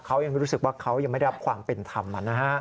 เขายังรู้สึกว่าเขายังไม่ได้รับความเป็นธรรม